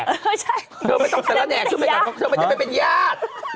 เธอไม่ต้องสระแหน่กเธอไม่ได้ไปเป็นญาติ